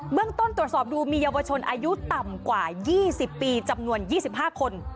เมืองต้นตรวจสอบดูมีเยาวชนอายุต่ำกว่า๒๐ปีจำนวน๒๕คน